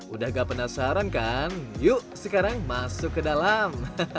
udah gak penasaran kan yuk sekarang masuk ke dalam